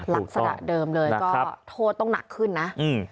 ลักษณะเดิมเลยก็โทษต้องหนักขึ้นนะ